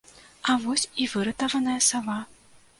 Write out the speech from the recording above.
А вось і выратаваная сава.